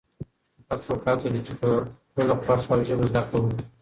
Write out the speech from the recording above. هر څوک حق لري چې په خپله خوښه او ژبه زده کړه وکړي.